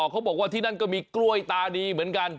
เขาบอกว่าที่นั่นก็มีกล้วยตาดีเหมือนกัน